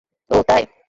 ওহ, তাই।